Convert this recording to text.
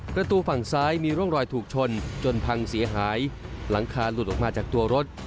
ประตูฝั่งซ้ายมีร่องรอยถูกชนจนพังเสียหายหลังคาหลุดออกมาจากตัวรถ